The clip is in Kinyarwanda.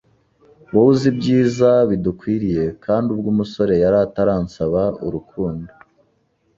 wowe uzi ibyiza bidukwiriye, kandi ubwo umusore yari ataransaba urukundo!